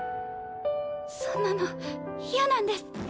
そんなの嫌なんです。